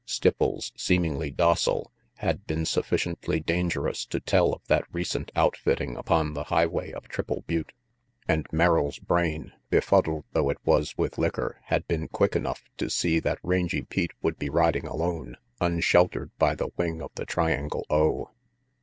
Stipples, seemingly docile, had been sufficiently dangerous to tell of that recent outfitting upon the highway of Triple Butte; and Merrill's brain, befuddled though it was with liquor, had been quick enough to see that Rangy Pete would be riding alone, unsheltered by the wing of the Triangle O.